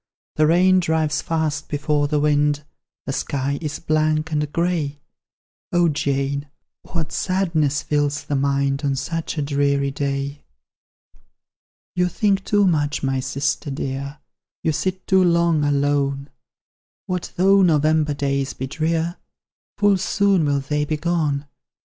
The rain drives fast before the wind, The sky is blank and grey; O Jane, what sadness fills the mind On such a dreary day!" "You think too much, my sister dear; You sit too long alone; What though November days be drear? Full soon will they be gone.